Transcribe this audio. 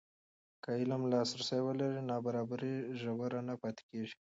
که علم لاسرسی ولري، نابرابري ژوره نه پاتې کېږي.